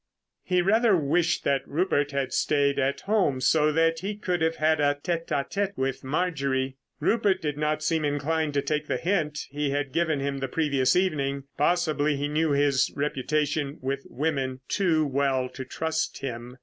He rather wished that Rupert had stayed at home so that he could have had a tête à tête with Marjorie. Rupert did not seem inclined to take the hint he had given him the previous evening; possibly he knew his reputation with women too well to trust him.